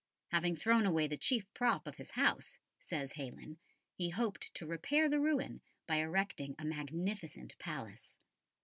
Having thrown away the chief prop of his house, says Heylyn, he hoped to repair the ruin by erecting a magnificent palace.